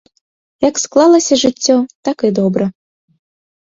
Як склалася жыццё, так і добра.